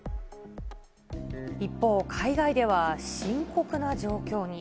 一方、海外では深刻な状況に。